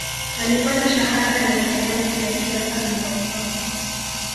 Alipata shahada ya sayansi ya siasa na falsafa